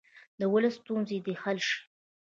د ولس ستونزې دې حل شي.